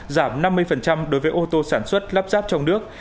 giảm năm mươi đối với ô tô sản xuất lắp ráp trong nước